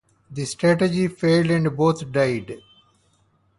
The strategy failed and both died.